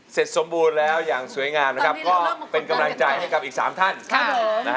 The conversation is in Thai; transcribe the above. เสร็จสมบูรณ์แล้วอย่างสวยงามเป็นกำลังใจให้กับอีก๓ท่าน